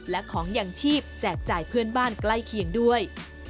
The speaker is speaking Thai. และของอย่างชีพแจกจ่ายเพื่อนบ้านใกล้เคียงด้วย